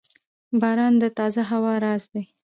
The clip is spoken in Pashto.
• باران د تازه هوا راز دی.